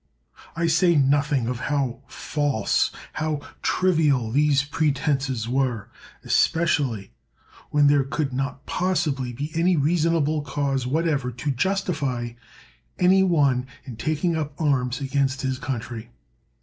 I say nothing of how false, how trivial these pretenses were; especially when there could not possibly be any reasonable cause whatever to justify any one in taking up arms against his country.